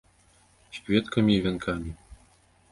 З кветкамі і вянкамі.